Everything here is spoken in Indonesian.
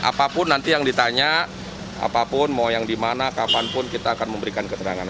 apapun nanti yang ditanya apapun mau yang dimana kapanpun kita akan memberikan keterangan